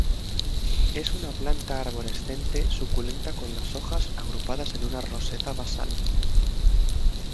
Es una planta arborescente suculenta con las hojas agrupadas en una roseta basal.